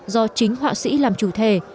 do chính họa sĩ làm chủ thể